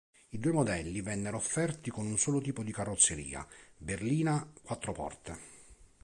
I due modelli vennero offerti con un solo tipo di carrozzeria, berlina quattro porte.